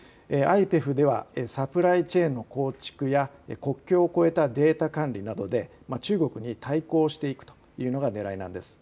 ＩＰＥＦではサプライチェーンの構築や国境を越えたデータ管理などで中国に対抗していくというのがねらいなんです。